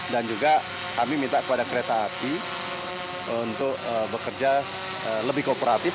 dan juga kami minta kepada kereta api untuk bekerja lebih kooperatif